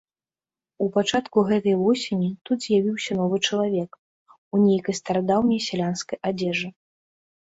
У пачатку гэтай восені тут з'явіўся новы чалавек, у нейкай старадаўняй сялянскай адзежы.